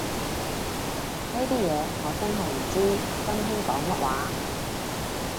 呢啲嘢我真係唔知，新興講乜話